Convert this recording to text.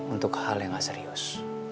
untuk hal yang serius